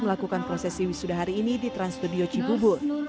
melakukan prosesi wisuda hari ini di transstudio cibubu